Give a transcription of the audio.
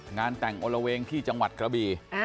งานแต่งโอละเวงที่จังหวัดกระบี